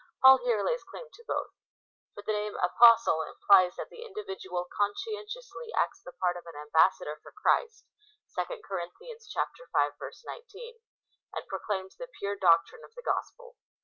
Paul here lays claim to both. For the name, Apostle, implies that the individual conscientiously acts the part of an ambassador for Christ (2 Cor. v. 19), and proclaims the pure doctrine of the gospel.